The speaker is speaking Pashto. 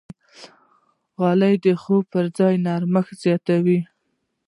غالۍ د خوب پر ځای نرمښت زیاتوي.